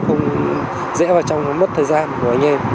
không dễ vào trong mất thời gian của anh em